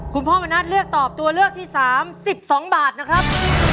คุณพ่อมณัฐเลือกตอบตัวเลือกที่๓๑๒บาทนะครับ